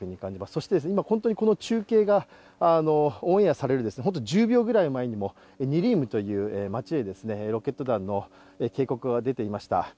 そして、この中継がオンエアされる１０秒くらい前にもニリンムという街にもロケット弾の警告が出ていました。